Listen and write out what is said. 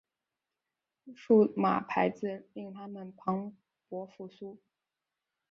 数码排字令它们蓬勃复苏。